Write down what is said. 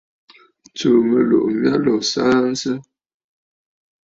Tsùù mɨlùʼù mya lǒ saansə!